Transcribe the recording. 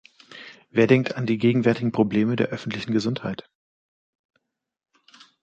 Wer denkt an die gegenwärtigen Probleme der öffentlichen Gesundheit?